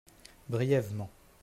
Brièvement.